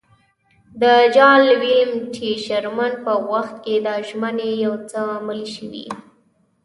د جال ویلیم ټي شرمن په وخت کې دا ژمنې یو څه عملي شوې.